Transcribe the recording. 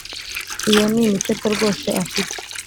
Iyo n’imiteto rwose afite